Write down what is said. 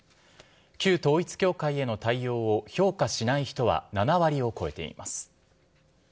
旧統一教会への対応を評価しない人は７割を超えています。